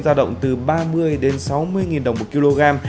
gia động từ ba mươi đến sáu mươi nghìn đồng một kg